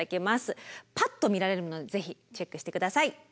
パッと見られるのでぜひチェックして下さい。